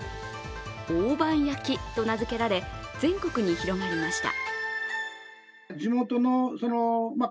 大判焼きと名付けられ、全国に広がりました。